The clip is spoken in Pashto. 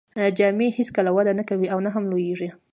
جامې هیڅکله وده نه کوي او نه هم لوییږي.